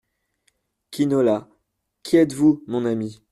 Quinola Qui êtes-vous, mon ami ?